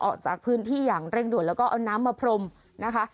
ออกจากพื้นที่อย่างเร่งด่วนแล้วก็เอาน้ำมาพรมนะคะ